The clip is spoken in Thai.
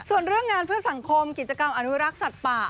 ส่วนเรื่องงานเพื่อสังคมกิจกรรมอนุรักษ์สัตว์ป่า